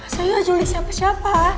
saya gak julik siapa siapa